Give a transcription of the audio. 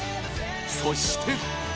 ［そして］